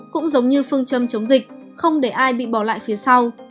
cũng giống như phương châm chống dịch không để ai bị bỏ lại phía sau